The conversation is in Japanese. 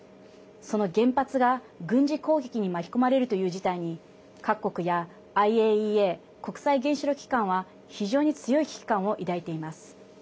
その原発が、軍事攻撃に巻き込まれるという事態に各国やＩＡＥＡ＝国際原子力機関は非常に強い危機感を抱いています。